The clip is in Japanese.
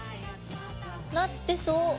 なってそう。ＯＫ！